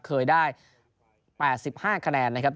เคยได้๘๕คะแนนนะครับ